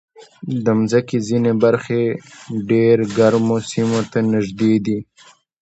د مځکې ځینې برخې ډېر ګرمو سیمو ته نږدې دي.